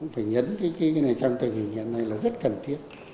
phải nhấn cái này trong tình hình hiện nay là rất cần thiết